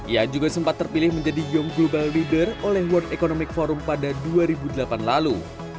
ia juga sempat terpilih menjadi young global leader oleh world economic forum pada dua ribu delapan lalu